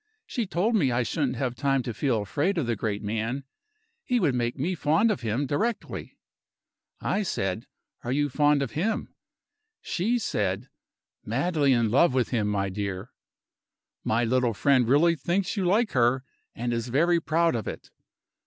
She told me I shouldn't have time to feel afraid of the great man; he would make me fond of him directly. I said, 'Are you fond of him?' She said, 'Madly in love with him, my dear.' My little friend really thinks you like her, and is very proud of it.